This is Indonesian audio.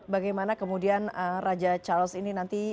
bagaimana kemudian raja charles ini nanti